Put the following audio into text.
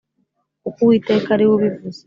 kuko Uwiteka ari we ubivuze